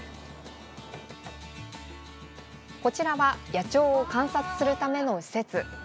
こちらは野鳥を観察するための施設。